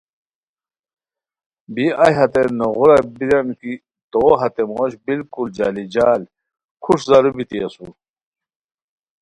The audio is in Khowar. بی ایھ ہتے نوغورا بیران کی تو ہتے موݰ بلکل جالی جال کھوݰ زارو بیتی اسور